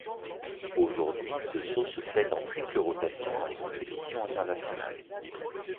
Aujourd'hui ce saut se fait en triple rotation dans les compétitions internationales.